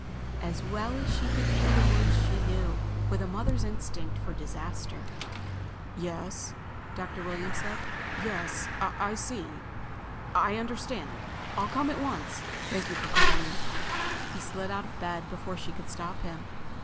As well as if she could hear the words she knew, with a mother's instinct for disaster. "Yes," Dr. Williams said. "Yes ... I see ... I understand ... I'll come at once.... Thank you for calling." He slid out of bed before she could stop him.